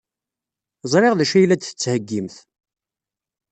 Ẓriɣ d acu ay la d-tettheyyimt.